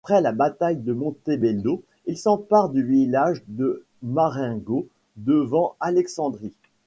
Après la bataille de Montebello, il s'empare du village de Marengo, devant Alexandrie.